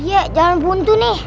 iya jangan buntu nih